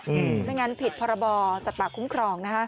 เพราะงั้นผิดพระบอสัตว์ป่าคุ้มครองนะฮะ